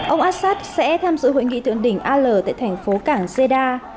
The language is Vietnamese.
ông assad sẽ tham dự hội nghị thượng đỉnh al tại thành phố cảng zeda